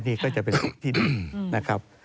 นี่ก็จะเป็นทุกข์ที่ดีนะครับ